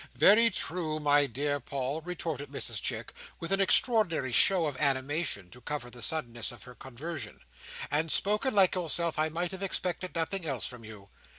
"Very true, my dear Paul," retorted Mrs Chick, with an extraordinary show of animation, to cover the suddenness of her conversion; "and spoken like yourself. I might have expected nothing else from you.